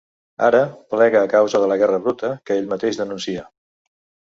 Ara, plega a causa de la guerra bruta que ell mateix denuncia.